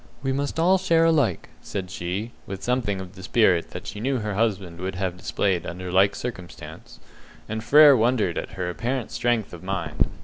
"We must all share alike," said she, with something of the spirit that she knew her husband would have displayed under like circumstance; and Frere wondered at her apparent strength of mind.